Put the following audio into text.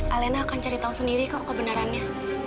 alena akan cari tahu sendiri kok kebenarannya